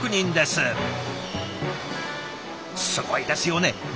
すごいですよね。